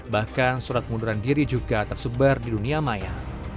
bahkan surat pengunduran diri juga tersebar di dunia maya